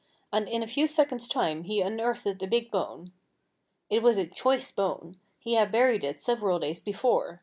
And in a few seconds' time he unearthed a big bone. It was a choice bone. He had buried it several days before.